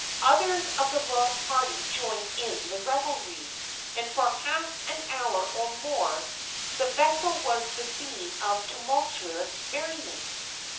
Others of the royal party joined in the revelry, and for half an hour or more the vessel was the scene of tumultuous merriment.